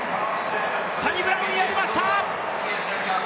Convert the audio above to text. サニブラウン、やりました！